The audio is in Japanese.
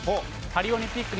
パリオリンピック